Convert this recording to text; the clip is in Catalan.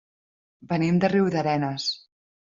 Venim de Riudarenes.